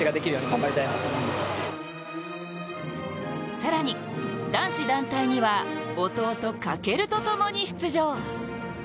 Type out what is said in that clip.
更に男子団体には弟・翔とともに出場。